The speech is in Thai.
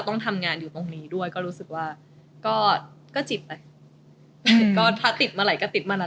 ต้องแข็งนิดนึงเพราะมีหลายคน